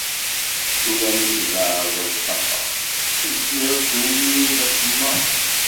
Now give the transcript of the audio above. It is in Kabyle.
Tura mi tbeɛdeḍ faqqeɣ, teǧǧiḍ-d ul-iw d asemmaḍ.